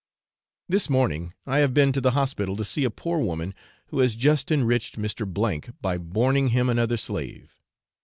This morning I have been to the hospital to see a poor woman who has just enriched Mr. by borning him another slave.